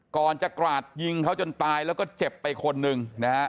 ก่อนจะกราดยิงเขาจนตายแล้วก็เจ็บไปคนหนึ่งนะฮะ